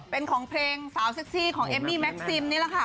เป็นของเพลงสาวเซ็กซี่ของเอมมี่แม็กซิมนี่แหละค่ะ